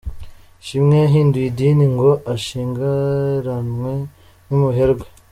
Ishimwe yahinduye idini ngo ashyingiranwe n’umuherwe